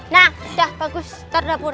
nah udah bagus taruh dapur